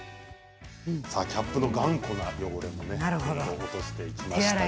キャップの頑固な汚れも落としていきます。